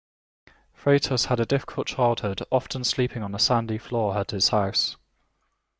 Freitas had a difficult childhood, often sleeping on a sandy floor at his house.